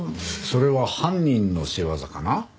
それは犯人の仕業かな？